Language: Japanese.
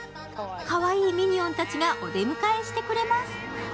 かわいいミニオンたちがお出迎えしてくれます。